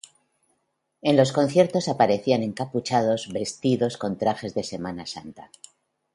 En los conciertos aparecían encapuchados vestidos con trajes de Semana Santa.